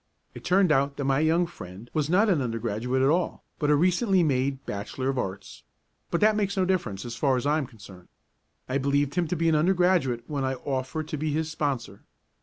It turned out that my young friend was not an undergraduate at all, but a recently made Bachelor of Arts; but that makes no difference as far as I am concerned; I believed him to be an undergraduate when I offered to be his sponsor.